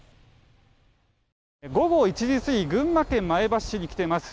午後１時過ぎ群馬県前橋市に来ています。